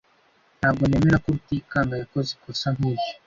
Ntabwo nemera ko Rutikanga yakoze ikosa nkiryo.